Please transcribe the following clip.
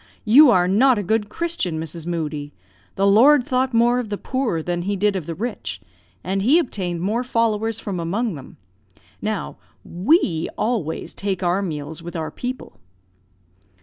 you are not a good Christian, Mrs. Moodie. The Lord thought more of the poor than he did of the rich, and he obtained more followers from among them. Now, we always take our meals with our people."